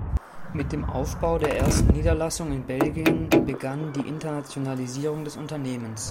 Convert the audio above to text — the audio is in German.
Mit dem Aufbau der ersten Niederlassung in Belgien begann die Internationalisierung des Unternehmens.